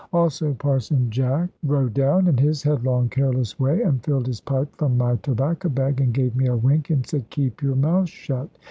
Also Parson Jack rode down, in his headlong careless way, and filled his pipe from my tobacco bag, and gave me a wink, and said, "Keep your mouth shut."